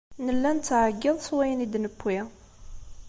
Nella nettɛeyyiḍ s wayen i d-newwi.